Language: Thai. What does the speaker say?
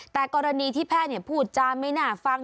แต่กรณีที่แพทย์พูดจาไม่น่าฟัง